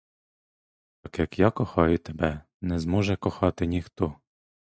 Так, як я кохаю тебе, не зможе кохати ніхто!